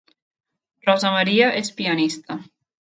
Rosa Maria és pianista